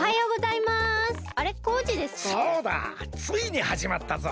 ついにはじまったぞ。